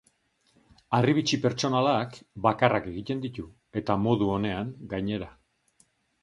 Harribitxi pertsonalak, bakarrak egiten ditu, eta modu onean, gainera.